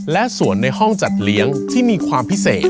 และสวนในห้องจัดเลี้ยงที่มีความพิเศษ